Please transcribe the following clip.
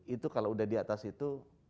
itu kalau udah di atas itu